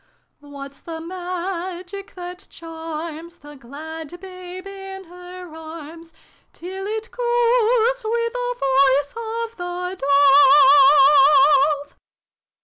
Whafs the magic that charms the glad babe in her arms, Till it cooes with the voice of the dove